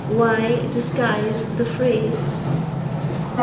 Why disguise the phrase?